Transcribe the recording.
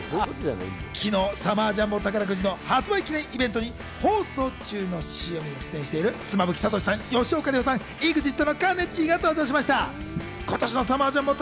昨日、サマージャンボ宝くじの発売記念イベントに放送中のＣＭにも出演してる妻夫木聡さん、吉岡里帆さん、ＥＸＩＴのかねちーが登場しました。